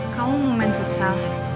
kamu mau main futsal